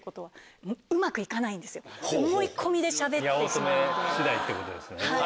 八乙女次第ってことですよね。